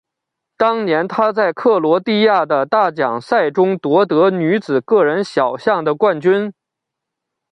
当年她在克罗地亚的大奖赛中夺得女子个人小项的冠军。